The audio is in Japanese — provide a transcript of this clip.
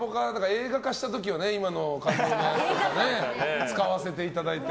映画化した時は今の感動のやつ使わせていただいて。